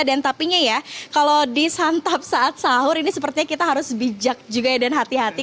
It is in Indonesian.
dan tapinya ya kalau disantap saat sahur ini sepertinya kita harus bijak juga ya dan hati hati